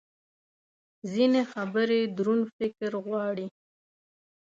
ځینې خبرې دروند فکر غواړي.